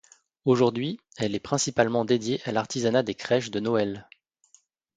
Aujourd'hui, elle est principalement dédiée à l'artisanat des crèches de Noël.